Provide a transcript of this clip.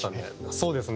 そうですね。